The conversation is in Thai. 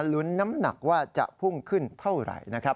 ลุ้นน้ำหนักว่าจะพุ่งขึ้นเท่าไหร่นะครับ